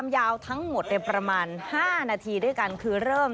ให้เทอรสับเลย